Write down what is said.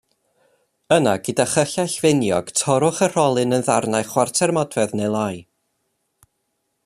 Yna gyda cyllell finiog torrwch y rholyn yn ddarnau chwarter modfedd neu lai.